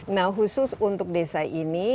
nah khusus untuk desa ini